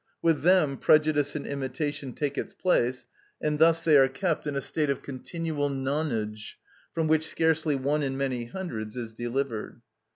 With them prejudice and imitation take its place; and thus they are kept in a state of continual non age, from which scarcely one in many hundreds is delivered.